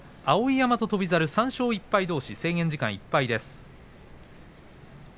碧山と翔猿、３勝１敗どうし制限時間いっぱいです。